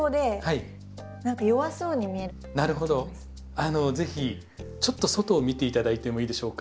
あの是非ちょっと外を見て頂いてもいいでしょうか。